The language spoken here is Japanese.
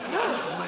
お前